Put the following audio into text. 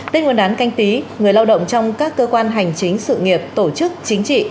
tết nguồn đán canh tí người lao động trong các cơ quan hành chính sự nghiệp tổ chức chính trị